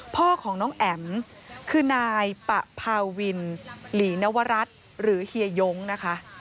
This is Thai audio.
พ่อของน้องแอ๋มคือนายปะพาวินหลีนวรัฐหรือเฮียยงนะคะ